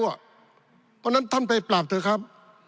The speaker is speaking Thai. เพราะฉะนั้นท่านไปปราบเถอะครับ